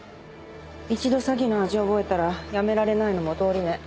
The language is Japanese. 一度詐欺の味を覚えたらやめられないのも道理ね。